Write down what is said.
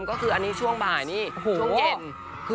ก็คืออันนี้ช่วงบ่ายนี้จงเย็นค่ะ